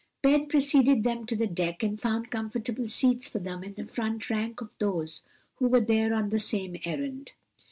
Ben preceded them to the deck and found comfortable seats for them in the front rank of those who were there on the same errand.